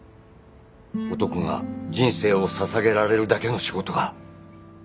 男が人生を捧げられるだけの仕事が。